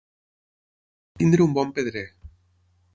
Tenir un bon pedrer.